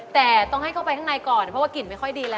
แต่ต้องให้เข้าไปข้างในก่อนเพราะว่ากลิ่นไม่ค่อยดีแล้ว